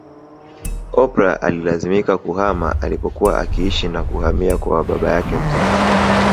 Oprah alilazimika kuhama alipokuwa akiishi na kuhamia kwa baba yake mzazi